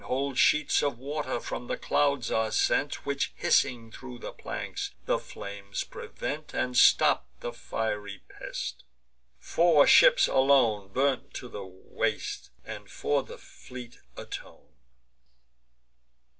Whole sheets of water from the clouds are sent, Which, hissing thro' the planks, the flames prevent, And stop the fiery pest. Four ships alone Burn to the waist, and for the fleet atone.